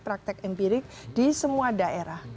praktek empirik di semua daerah